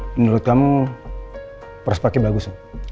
menurut kamu perspakian bagus